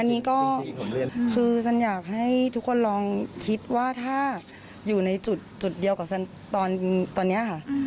อันนี้ก็คือฉันอยากให้ทุกคนลองคิดว่าถ้าอยู่ในจุดเดียวกับตอนนี้ค่ะ